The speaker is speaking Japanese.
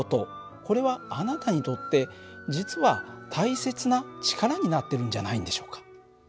これはあなたにとって実は大切な力になってるんじゃないんでしょうか。